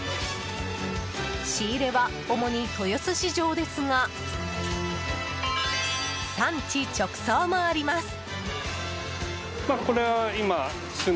仕入れは主に豊洲市場ですが産地直送もあります。